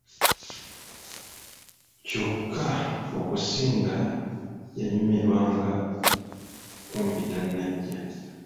Kyokka okusinga yanyumirwanga kumpita Najja.